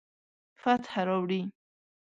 فتح راوړي